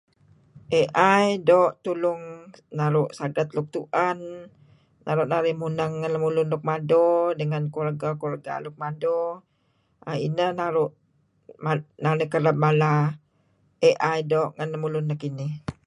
AI do tolong naruh sagat luk tu'an ,naruh narih munang ngan lamulun nuk mado dengan keluarga keluarga nuk mado.. AI inah naruh um narih kareb mala AI do ngan lamulun nah kinih.